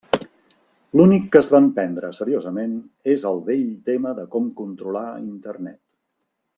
L'únic que es van prendre seriosament és el vell tema de com controlar Internet.